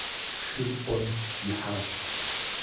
Шыр ӏуэм ихьащ.